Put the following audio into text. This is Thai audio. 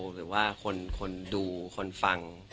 หรือว่าคนดูคนฟัง